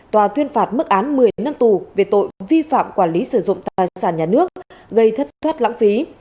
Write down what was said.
tòa tuyên phạt mức án một mươi năm tù về tội vi phạm quản lý sử dụng tài sản nhà nước gây thất thoát lãng phí